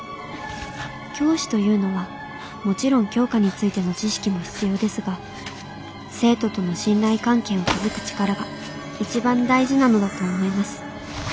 教師というのはもちろん教科についての知識も必要ですが生徒との信頼関係を築く力が一番大事なのだと思います。